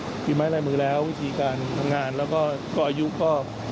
ฝีไม้ลายมือแล้ววิธีการทำงานแล้วก็อายุก็